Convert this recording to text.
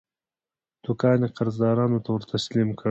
دوکان یې قرضدارانو ته ورتسلیم کړ.